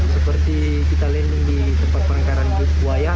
seperti kita landing di tempat penangkaran buaya